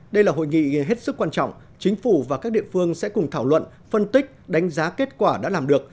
đây là hội nghị hết sức quan trọng chính phủ và các địa phương sẽ cùng thảo luận phân tích đánh giá kết quả đã làm được